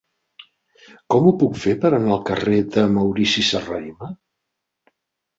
Com ho puc fer per anar al carrer de Maurici Serrahima?